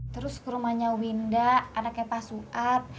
terus ke rumahnya winda anaknya pak suat